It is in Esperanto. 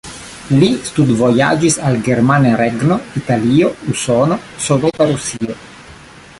Li studvojaĝis al Germana Regno, Italio, Usono, Soveta Rusio.